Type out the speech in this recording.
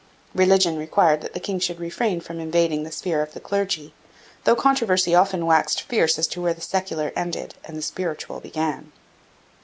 Religion required that the king should refrain from invading the sphere of the clergy, though controversy often waxed fierce as to where the secular ended and the spiritual began.